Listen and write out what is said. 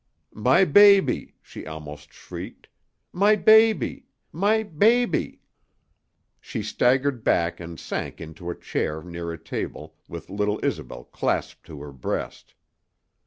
"My baby!" she almost shrieked. "My baby my baby " She staggered back and sank into a chair near a table, with little Isobel clasped to her breast.